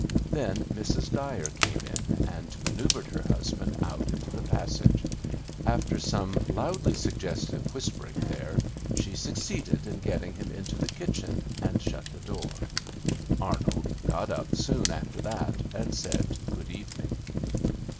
Then Mrs. Dyer came in, and manoeuvred her husband out into the passage; after some loudly suggestive whispering there, she succeeded in getting him into the kitchen, and shut the door. Arnold got up soon after that, and said good evening.